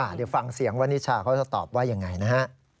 เดี๋ยวฟังเสียงวันนิชาเขาจะตอบว่ายังไงนะฮะ